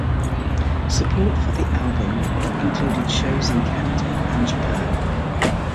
Support for the album included shows in Canada and Japan.